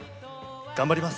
頑張ります。